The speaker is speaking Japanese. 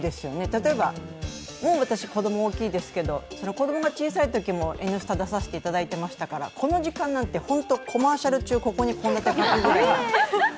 例えば、もう私、子供大きいですけど子供が小さいときも「Ｎスタ」出させていただいていましたからこの時間なんて、コマーシャル中、ここに献立書くぐらい。